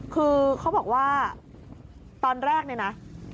คือเขาบอกว่าตอนแรกเนี่ยนะ